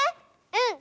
うん！